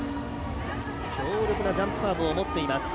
強力なジャンプサーブを持っています。